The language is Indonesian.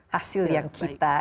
hasil yang kita